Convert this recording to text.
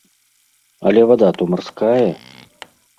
Але вада то марская!